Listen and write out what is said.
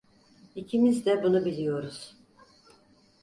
İkimiz de bunu biliyoruz.